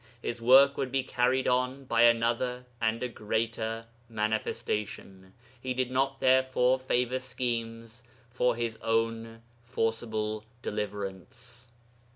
His work would be carried on by another and a greater Manifestation. He did not therefore favour schemes for his own forcible deliverance.